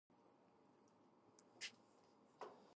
Peter Shinton, who is unaligned with any political party.